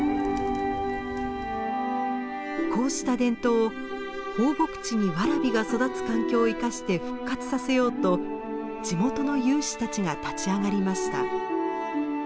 こうした伝統を放牧地にワラビが育つ環境を生かして復活させようと地元の有志たちが立ち上がりました。